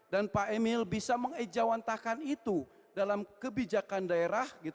dan pak emil bisa mengejawantakan itu dalam kebijakan daerah